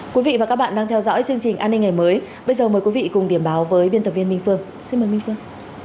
quý vị và các bạn đang theo dõi chương trình an ninh ngày mới bây giờ mời quý vị cùng điểm báo với biên tập viên minh phương xin mời minh phương